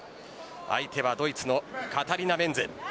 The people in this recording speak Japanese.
相手はドイツのカタリナ・メンズ。